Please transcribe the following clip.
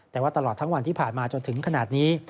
แต่ว่าตลอดทั้งวันที่ผ่านมาจนถึงขนาดนี้